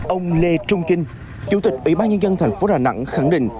ông lê trung kinh chủ tịch ủy ban nhân dân thành phố đà nẵng khẳng định